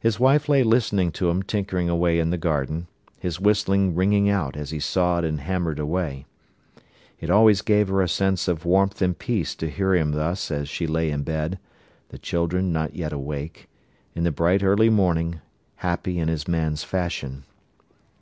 His wife lay listening to him tinkering away in the garden, his whistling ringing out as he sawed and hammered away. It always gave her a sense of warmth and peace to hear him thus as she lay in bed, the children not yet awake, in the bright early morning, happy in his man's fashion.